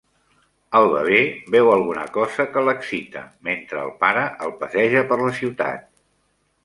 El bebè veu alguna cosa que l'excita mentre el pare el passeja per la ciutat.